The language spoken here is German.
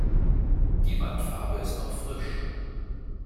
Die Wandfarbe ist noch frisch.